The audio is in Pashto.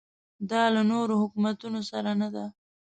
دا له نورو حکومتونو سره نه ده.